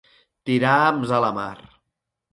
Tirar hams a la mar.